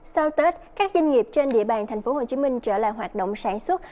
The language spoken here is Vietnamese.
sau tết các doanh nghiệp trên địa bàn tp hcm trở lại hoạt động sản xuất